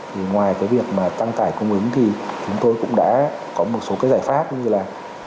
thì ngoài cái việc mà tăng tải cung ứng thì chúng tôi cũng đã có một số cái giải pháp như là